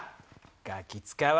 『ガキ使』は！